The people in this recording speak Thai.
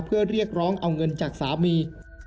เพื่อเรียกร้องเอาเงินจากสามี